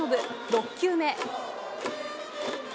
６球目。